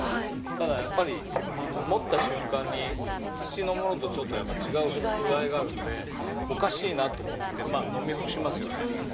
ただ持った瞬間に土のものとちょっと違う風合いがあるんでおかしいなと思ってまぁ飲み干しますよね。